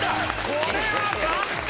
これは完璧だ！